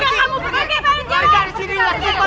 pergi ke kamu pergi pergi pergi